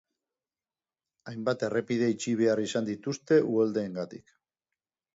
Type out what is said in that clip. Hainbat errepide itxi behar izan dituzte uholdeengatik.